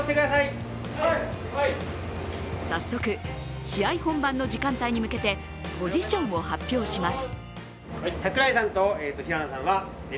早速、試合本番の時間帯に向けてポジションを発表します。